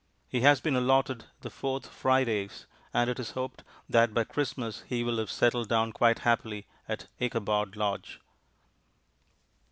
He has been allotted the "4th Fridays," and it is hoped that by Christmas he will have settled down quite happily at Ichabod Lodge.